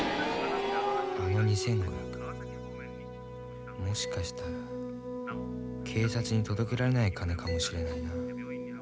あの２５００もしかしたら警察に届けられない金かもしれないな